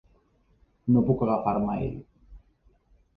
No puc agafar-me a ell.